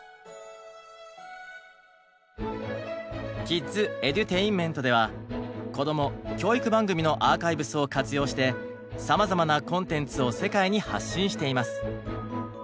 「ＫｉｄｓＥｄｕｔａｉｎｍｅｎｔ」ではこども・教育番組のアーカイブスを活用してさまざまなコンテンツを世界に発信しています。